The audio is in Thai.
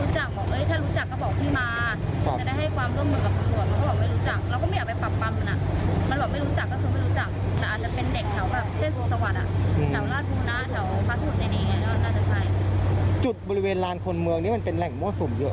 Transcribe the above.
ใช่เด็กบ่อยรุ่นจะตีกันก็ตีกันตรงนั้นแหละ